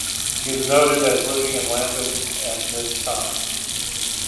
He is noted as living in Lambeth at this time.